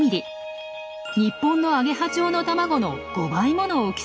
日本のアゲハチョウの卵の５倍もの大きさです。